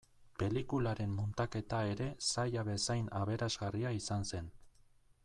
Pelikularen muntaketa ere zaila bezain aberasgarria izan zen.